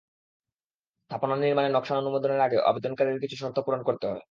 স্থাপনা নির্মাণের নকশা অনুমোদনের আগে আবেদনকারীদের কিছু শর্ত পূরণ করতে হয়।